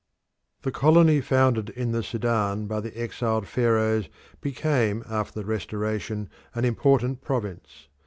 The colony founded in the Sudan by the exiled Pharaohs became after the restoration an important province.